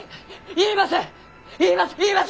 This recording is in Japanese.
言います！